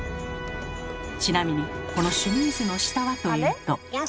ちなみにこのシュミーズの下はというと。